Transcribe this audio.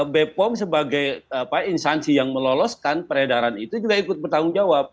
bepom sebagai instansi yang meloloskan peredaran itu juga ikut bertanggung jawab